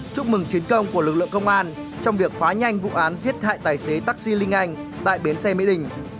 chúc mừng chiến công của lực lượng công an trong việc phá nhanh vụ án giết hại tài xế taxi linh anh tại bến xe mỹ đình